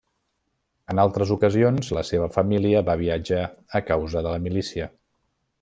En altres ocasions, la seva família va viatjar a causa de la milícia.